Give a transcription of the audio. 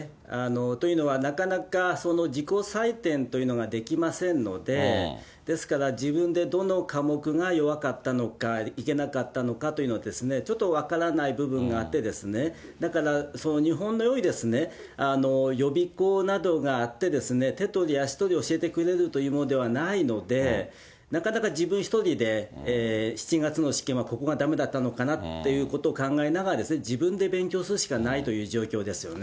というのは、なかなか自己採点というのができませんので、ですから、自分でどの科目が弱かったのか、いけなかったのかというのは、ちょっと分からない部分があって、だから日本のように、予備校などがあってですね、手取り足取り教えてくれるというのではないので、なかなか自分一人で７月の試験はここがだめだったのかなと考えながら、自分で勉強するしかないという状況ですよね。